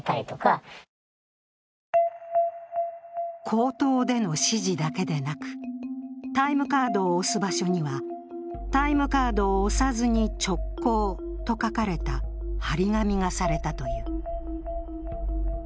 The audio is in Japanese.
口頭での指示だけでなく、タイムカードを押す場所には、「タイムカードを押さずに直行」と書かれた貼り紙がされたという。